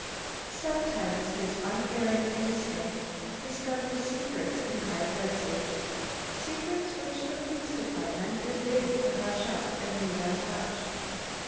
Sometimes his unerring instinct discovers secrets in high places, secrets which the Police Department is bidden to hush up and leave untouched.